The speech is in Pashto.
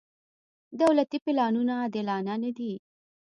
دولتي پلانونه عادلانه نه دي.